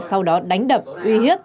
sau đó đánh đập uy hiếp